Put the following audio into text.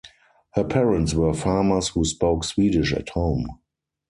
Her parents were farmers who spoke Swedish at home.